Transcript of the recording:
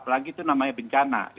apalagi itu namanya bencana